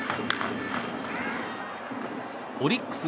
オリックス